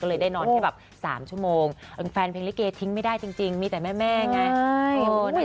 ก็เลยได้นอนแค่แบบ๓ชั่วโมงแฟนเพลงลิเกทิ้งไม่ได้จริงมีแต่แม่ไง